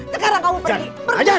sekarang kamu pergi